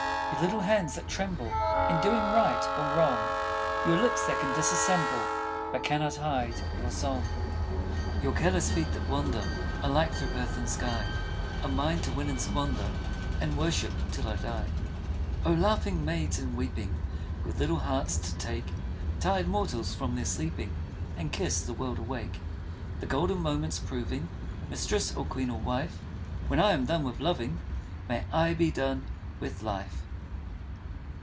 Your little hands that tremble, In doing right or wrong, Your lips that can dissemble, But cannot hide your song, 96 TO THEM ALL Your careless feet that wander Alike through earth and sky, Are mine to win and squander And worship till I die. Oh, laughing maids and weeping, With little hearts to take Tired mortals from their sleeping And kiss the world awake, The golden moments proving Mistress or queen or wife, When I am done with loving, May I be done with life